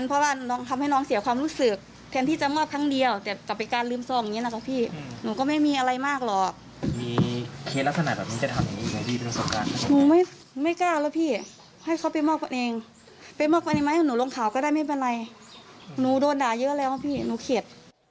ไปบอกว่านี่ไหมหนูลงข่าวก็ได้ไม่เป็นไรหนูโดดด่าเยอะแล้วพี่หนูเข็ด